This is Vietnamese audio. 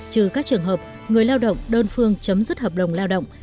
trừ các trường hợp người lao động đơn phương chấm dứt hợp đồng lao động